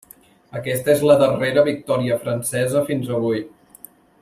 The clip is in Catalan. Aquesta és la darrera victòria francesa fins avui.